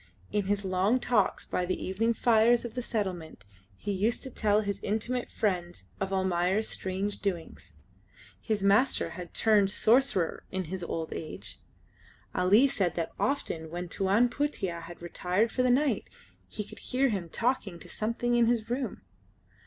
In his long talks by the evening fires of the settlement he used to tell his intimate friends of Almayer's strange doings. His master had turned sorcerer in his old age. Ali said that often when Tuan Putih had retired for the night he could hear him talking to something in his room.